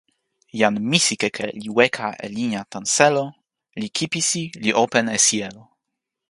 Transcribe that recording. jan misikeke li weka e linja tan selo li kipisi li open e sijelo.